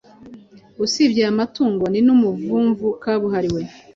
Usibye aya matungo, ni n’umuvumvu kabuhariwe.